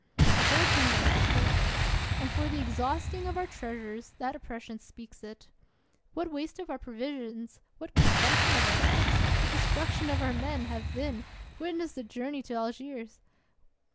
The whole kingdom is a proof. And for the exhausting of our treasures, that oppression speaks it. What waste of our provisions, what consumption of our ships, what destruction of our men, have been, — witness the journey to Algiers